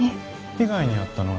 被害に遭ったのは